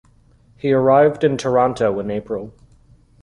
He arrived in Toronto in April.